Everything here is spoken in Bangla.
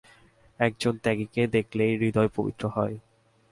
একজন ত্যাগীকে দেখলেই হৃদয় পবিত্র হয়।